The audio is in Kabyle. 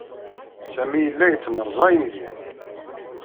Sami yella yettmerẓa yi-id-i.